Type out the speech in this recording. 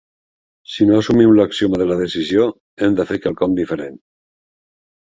Si no assumim l"axioma de la decisió, hem de fer quelcom diferent.